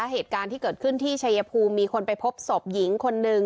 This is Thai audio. เหตุการณ์ที่เกิดขึ้นที่ชายภูมิมีคนไปพบศพหญิงคนหนึ่ง